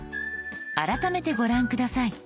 改めてご覧下さい。